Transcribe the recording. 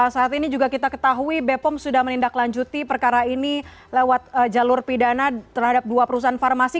saat ini juga kita ketahui bepom sudah menindaklanjuti perkara ini lewat jalur pidana terhadap dua perusahaan farmasi